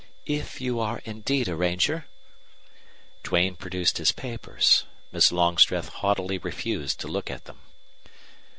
"If you are indeed a ranger." Duane produced his papers. Miss Longstreth haughtily refused to look at them.